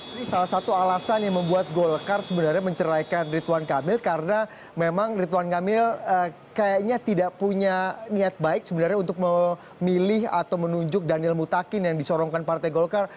ini salah satu alasan yang membuat golkar sebenarnya menceraikan rituan kamil karena memang ridwan kamil kayaknya tidak punya niat baik sebenarnya untuk memilih atau menunjuk daniel mutakin yang disorongkan partai golkar